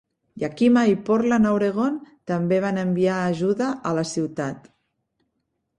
Yakima i Portland a Oregon també van enviar ajuda a la ciutat.